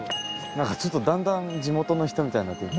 ちょっとだんだん地元の人みたいになって。